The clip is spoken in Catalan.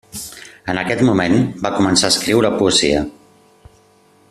En aquest moment, va començar a escriure poesia.